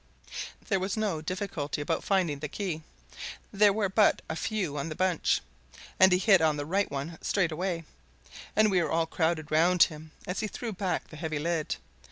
There was no difficulty about finding the key there were but a few on the bunch, and he hit on the right one straightaway, and we all crowded round him as he threw back the heavy lid.